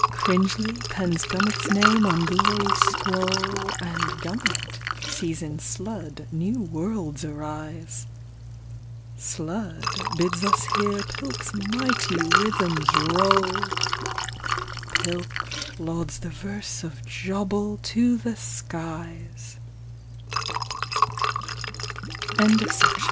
55 Cringely pens Gummit's name on glory's scroll, And Gummlt sees in Sludd new worlds arise, Sludd bids us hear Pilk's mighty rhythms roll; Pi Ik lauds the verse of Jobble to the skie